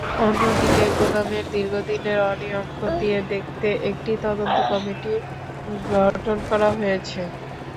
অন্যদিকে গুদামের দীর্ঘদিনের অনিয়ম খতিয়ে দেখতে একটি তদন্ত কমিটি গঠন করা হয়েছে।